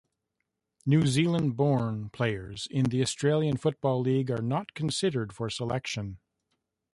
New Zealand-born players in the Australian Football League are not considered for selection.